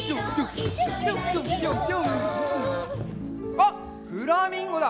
あっフラミンゴだ！